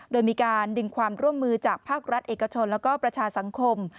โดยมีการดึงความร่วมมือจากภาครัฐเอกชนแล้วก็ประชาสังคม